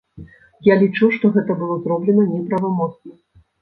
Я лічу, што гэта было зроблена неправамоцна.